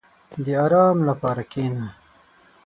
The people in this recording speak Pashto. • د آرام لپاره کښېنه.